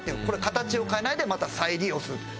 これは形を変えないでまた再利用する。